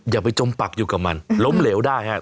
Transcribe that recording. อย่าไปจมปักอยู่กับมันล้มเหลวได้ครับ